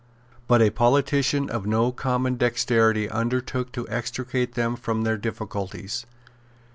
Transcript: But a politician of no common dexterity undertook to extricate them from their difficulties.